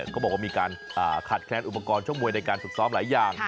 เขาบอกว่ามีการขาดแคลนอุปกรณ์ชกมวยในการฝึกซ้อมหลายอย่าง